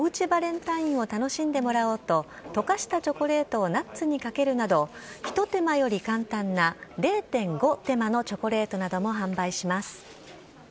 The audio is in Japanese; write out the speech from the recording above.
バレンタインを楽しんでもらおうと溶かしたチョコレートをナッツにかけるなどひと手間より簡単な０．５手間のチョコレートなども販売します。